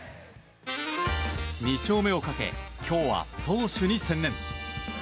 ２勝目をかけ今日は投手に専念。